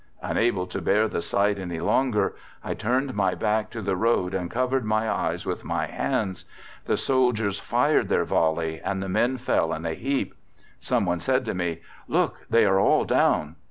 Unable to bear the sight any longer, I turned my back to the road and covered my eyes with my hands. The soldiers fired their volley, and the men fell in a heap. Someone said to me, 'Look, they are all down!